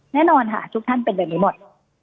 แน่นอนค่ะทุกท่านเป็นแบบนี้หมด